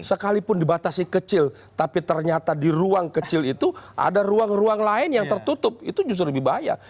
sekalipun dibatasi kecil tapi ternyata di ruang kecil itu ada ruang ruang lain yang tertutup itu justru lebih bahaya